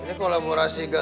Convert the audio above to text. ini kolaborasi dengan